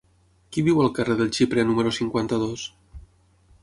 Qui viu al carrer del Xiprer número cinquanta-dos?